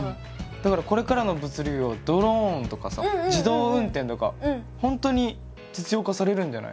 だからこれからの物流業はドローンとかさ自動運転とか本当に実用化されるんじゃない？